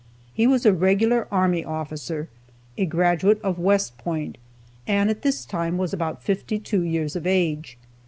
He was a regular army officer, a graduate of West Point, and at this time was about fifty two years of age.